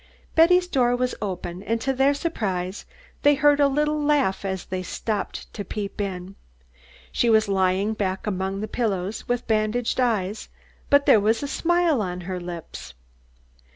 Betty's door was open, and to their surprise they heard a little laugh as they stopped to peep in. She was lying back among the pillows with bandaged eyes, but there was a smile on her lips.